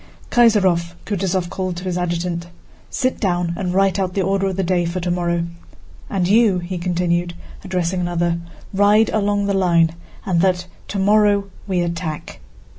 "Kaysárov!" Kutúzov called to his adjutant. "Sit down and write out the order of the day for tomorrow. And you," he continued, addressing another, "ride along the line and announce that tomorrow we attack."